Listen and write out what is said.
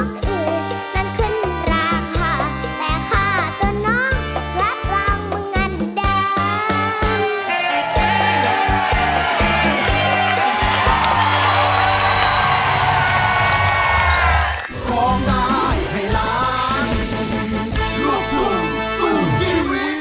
เพราะอีกนั้นขึ้นราคาแต่ข้าตัวน้องรักเราเหมือนกันเดิม